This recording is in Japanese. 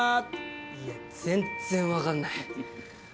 いや全然分かんない。